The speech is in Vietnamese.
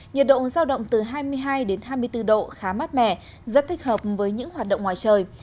nhiệt độ giao động từ hai mươi hai đến hai mươi bốn độ khá mát mẻ rất thích hợp với những hoạt động ngoài trời